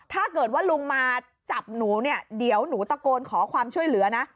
ถ้าเกิดว่าลุงมาจับหนูเนี่ยเดี๋ยวหนูตะโกนขอความช่วยเหลือนะ